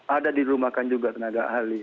ada dirumahkan juga tenaga ahli